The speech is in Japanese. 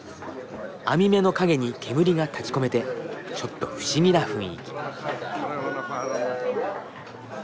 網目の影に煙が立ちこめてちょっと不思議な雰囲気。